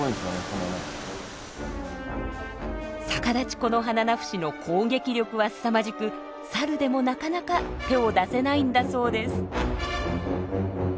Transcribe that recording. サカダチコノハナナフシの攻撃力はすさまじくサルでもなかなか手を出せないんだそうです。